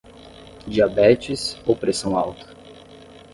Diabetes ou pressão alta?